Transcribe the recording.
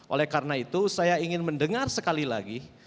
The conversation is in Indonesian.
oleh karena itu saya ingin mendengar sekali lagi